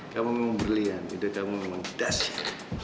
kamu memang berlian itu kamu memang dasar